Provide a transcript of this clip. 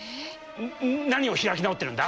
何を開き直ってるんだ？